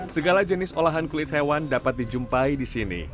segala jenis olahan kulit hewan dapat dijumpai di sini